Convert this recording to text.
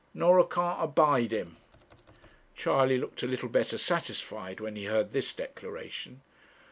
Norah can't abide him ' Charley looked a little better satisfied when he heard this declaration.